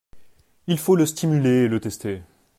Il faut le stimuler et le tester.